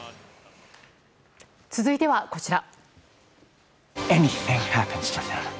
続いては、こちら。